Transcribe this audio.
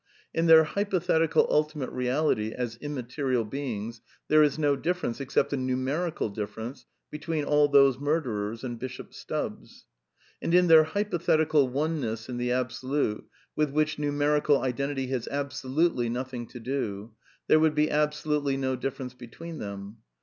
In their hypothetical ultimate reality as immaterial beings, there is no difference, except a numer ical difference, between all those murderers and Bishop Stubbs. And in their hypothetical oneness in the Abso lute (with which numerical identity has absolutely nothing to do), there would be absolutely no difference between them.